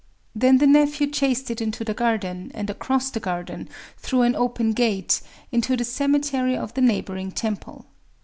Then the nephew chased it into the garden, and across the garden, through an open gate, into the cemetery of the neighboring temple.